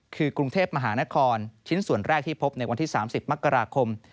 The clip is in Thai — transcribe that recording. คือกรุงเทพมหานครชิ้นส่วนแรกที่พบในวันที่๓๐มกราคม